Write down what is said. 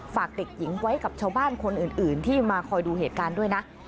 ฝากเด็กหญิงไว้กับชาวบ้านคนอื่นที่มาคอยดูเหตุการณ์ด้วยนะ